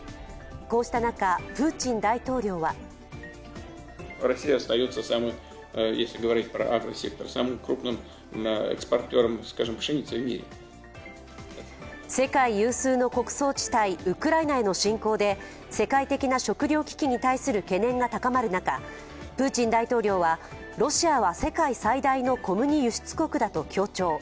こうした中、プーチン大統領は世界有数の穀倉地帯ウクライナへの侵攻で世界的な食糧危機に対する懸念が高まる中、プーチン大統領は、ロシアは世界最大の小麦輸出国だと強調。